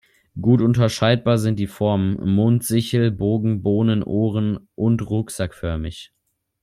Gut unterscheidbar sind die Formen: mondsichel-, bogen-, bohnen-, ohren- und rucksack-förmig.